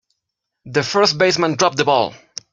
The first baseman dropped the ball.